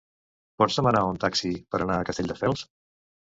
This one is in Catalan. Pots demanar un taxi per anar a Castelldefels?